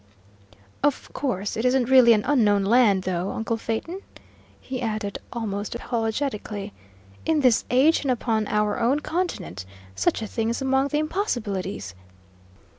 "Of course it isn't really an unknown land, though, uncle Phaeton?" he added, almost apologetically. "In this age, and upon our own continent, such a thing is among the impossibilities."